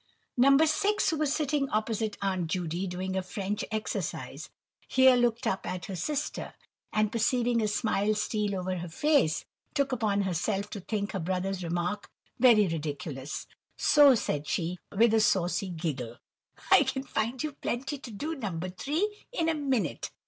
No. 6, who was sitting opposite Aunt Judy, doing a French exercise, here looked up at her sister, and perceiving a smile steal over her face, took upon herself to think her brother's remark very ridiculous, so, said she, with a saucy giggle:— "I can find you plenty to do, No. 3, in a minute.